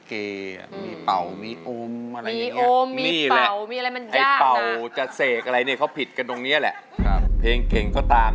ครับดีใจไหมนี่อ่ะสุดเลยครับ